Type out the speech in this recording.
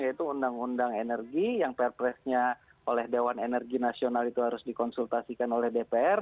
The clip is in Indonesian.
yaitu undang undang energi yang perpresnya oleh dewan energi nasional itu harus dikonsultasikan oleh dpr